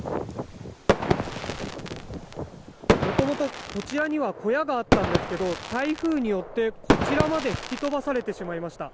元々、こちらには小屋があったんですけど台風によってこちらまで吹き飛ばされてしまいました。